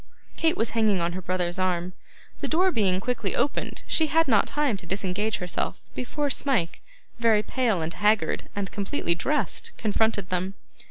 Kate was hanging on her brother's arm. The door being quickly opened, she had not time to disengage herself, before Smike, very pale and haggard, and completely dressed, confronted them.